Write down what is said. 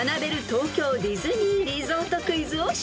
東京ディズニーリゾートクイズを出題］